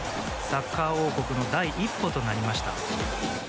サッカー王国の第一歩となりました。